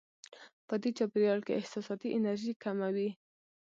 په دې چاپېریال کې احساساتي انرژي کمه وي.